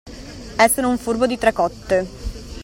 Essere un furbo di tre cotte.